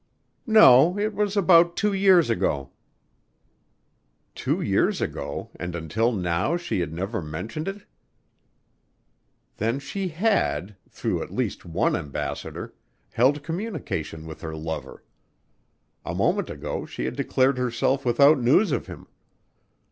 "No, it was about two years ago." Two years ago and until now she had never mentioned it! Then she had, through at least one ambassador, held communication with her lover. A moment ago she had declared herself without news of him.